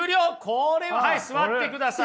これははい座ってください。